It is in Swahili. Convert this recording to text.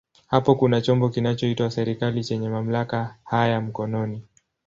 Hapo kuna chombo kinachoitwa serikali chenye mamlaka haya mkononi.